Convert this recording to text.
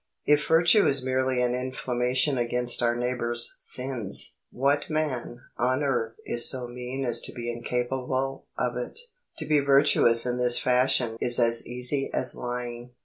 If virtue is merely an inflammation against our neighbour's sins, what man on earth is so mean as to be incapable of it? To be virtuous in this fashion is as easy as lying.